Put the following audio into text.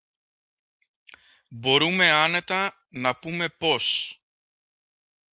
μπορούμε άνετα να πούμε πως: